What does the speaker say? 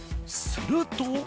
すると。